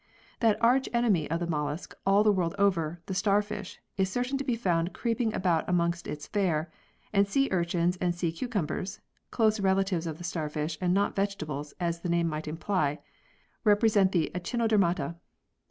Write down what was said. That arch enemy of the mollusc all the world over, the starfish, is certain to be found creeping about amongst its fare, and sea urchins and sea cucumbers (close relatives of the starfish and not vegetables, as the name might imply) represent the Echinodermata.